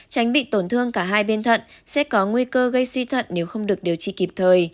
tránh bị tổn thương cả hai bên thận sẽ có nguy cơ gây suy thận nếu không được điều trị kịp thời